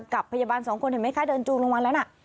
กับพยาบาลสองคนเห็นไหมคะเดินจูงลงมาแล้วน่ะ